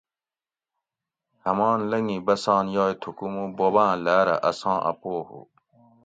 ہمان لنگی بسان یائے تھوکو مو بوباں لاۤرہ اساں ا پو ہو